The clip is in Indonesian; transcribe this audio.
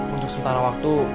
untuk sentara waktu